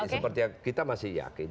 nah artinya kita masih yakin